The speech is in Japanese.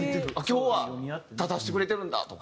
今日は立たせてくれてるんだとか。